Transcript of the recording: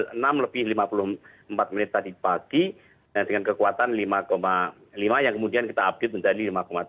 jadi pada pukul enam lebih lima puluh empat menit tadi pagi dengan kekuatan lima lima yang kemudian kita update menjadi lima tiga